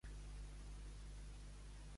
A cas pensat.